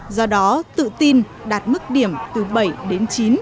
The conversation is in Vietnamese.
do đó tự tin đạt mức điểm từ bảy đến chín